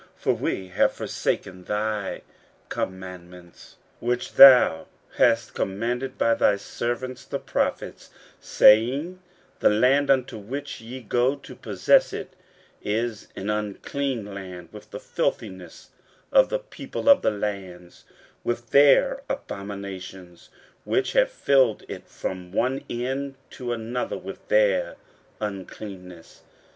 for we have forsaken thy commandments, 15:009:011 Which thou hast commanded by thy servants the prophets, saying, The land, unto which ye go to possess it, is an unclean land with the filthiness of the people of the lands, with their abominations, which have filled it from one end to another with their uncleanness.